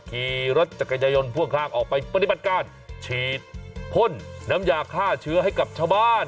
ขี่รถจักรยายนพ่วงข้างออกไปปฏิบัติการฉีดพ่นน้ำยาฆ่าเชื้อให้กับชาวบ้าน